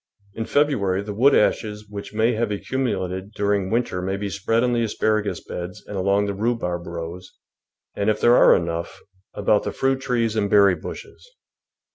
In February the wood ashes which may have ac cumulated during winter may be spread on the asparagus beds and along the rhubarb rows, and, if there are enough, about the fruit trees and berry bushes.